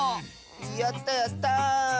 やったやった！